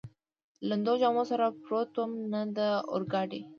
لوندو جامو سره پروت ووم، نه د اورګاډي.